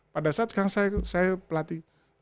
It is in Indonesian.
pada saat yang saya pelatih itu